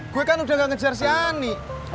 gue kan udah gak ngejar si ani